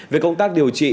về công tác điều trị